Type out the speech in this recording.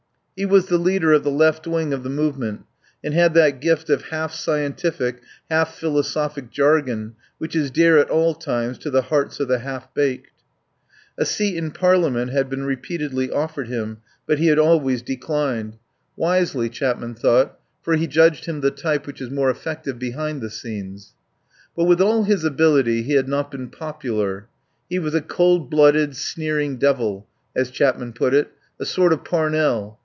He was the leader of the left wing of the move ment, and had that gift of half scientific, half philosophic jargon which is dear at all times to the hearts of the half baked. A seat in Parliament had been repeatedly offered him, but he had always declined ; wisely, Chapman 116 I TAKE A PARTNER thought, for he judged him the type which is more effective behind the scenes. But with all his ability he had not been popular. "He was a cold blooded, sneering devil," as Chapman put it, "a sort of Parnell.